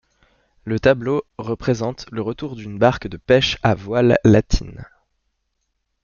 Le tableau représente le retour d'une barque de pêche à voile latine.